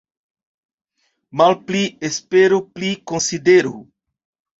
Malpli esperu, pli konsideru.